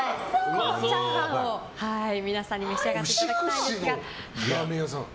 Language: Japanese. このチャーハンを皆さんに召し上がっていただきたいんですが牛久市のラーメン屋さん。